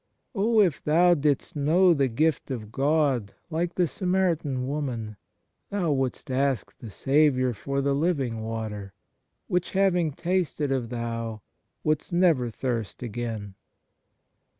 Oh, if thou didst know the gift of God, like the Samaritan woman thou wouldst ask the Saviour for the living water, which having tasted of thou wouldst never thirst again.